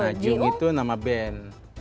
nah ajul itu nama ben